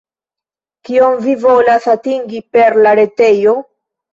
Kion vi volas atingi per la retejo?